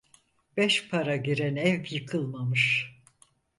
Beş para giren ev yıkılmamış.